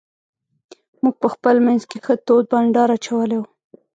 موږ په خپل منځ کې ښه تود بانډار اچولی وو.